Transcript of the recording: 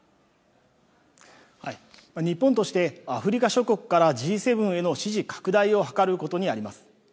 日本として、アフリカ諸国からＧ７への支持拡大を図ることにあります。